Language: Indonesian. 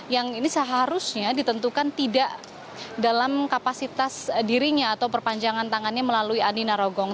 yang ini seharusnya ditentukan tidak dalam kapasitas dirinya atau perpanjangan tangannya melalui andi narogong